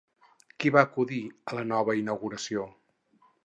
Qui va acudir a la nova inauguració?